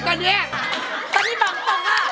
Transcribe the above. ตอนนี้ป๋องอ่ะ